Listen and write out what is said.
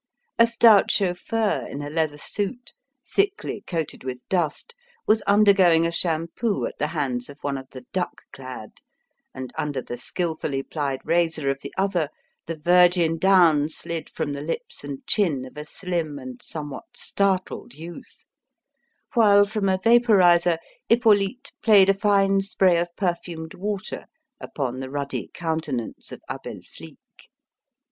A stout chauffeur, in a leather suit, thickly coated with dust, was undergoing a shampoo at the hands of one of the duck clad, and, under the skilfully plied razor of the other, the virgin down slid from the lips and chin of a slim and somewhat startled youth, while from a vaporizer Hippolyte played a fine spray of perfumed water upon the ruddy countenance of Abel Flique.